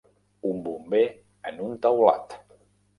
Un bomber en un teulat.